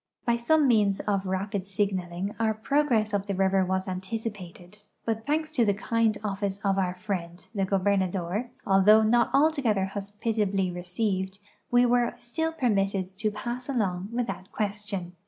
By some means of rapid signaling our ])rogress up the river was anticipated, but thanks to the kind office of our friend, the gobernador, although not altogether hospitably received, we were still permitted to pass along without question.